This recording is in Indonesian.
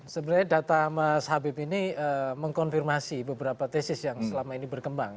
sebenarnya data mas habib ini mengkonfirmasi beberapa tesis yang selama ini berkembang